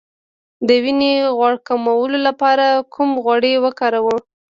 د وینې غوړ کمولو لپاره کوم غوړي وکاروم؟